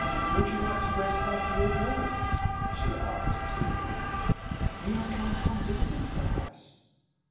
"Would you like to rest after your walk?" she asked, timidly. " You have come some distance, perhaps